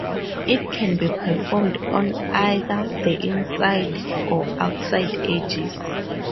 It can be performed on either the inside or outside edges.